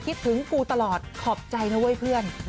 คิดถึงกูตลอดขอบใจนะเว้ยเพื่อน